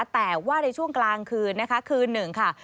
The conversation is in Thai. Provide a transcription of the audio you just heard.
แต่ว่าในช่วงบนกลางคืนน้อยจุดได้